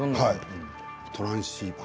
トランシーバー。